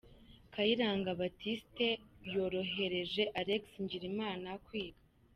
Kayiranga Baptiste yorohereje Alexis Ngirimana kwiga.